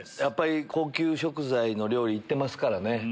やっぱり高級食材の料理行ってますからね。